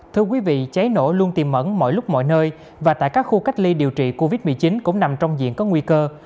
thưa quý vị cháy nổ luôn tìm mẫn mọi lúc mọi nơi và tại các khu cách ly điều trị covid một mươi chín cũng nằm trong diện có nguy cơ